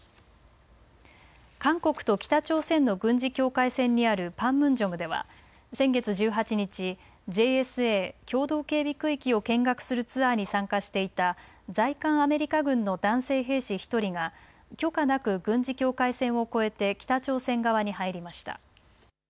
韓国と北朝鮮の軍事境界線にあるパンムンジョムでは先月１８日、ＪＳＡ・共同警備区域を見学するツアーに参加していた在韓アメリカ軍の男性兵士１人が許可なく軍事境界線を越えて北朝鮮側に入りました。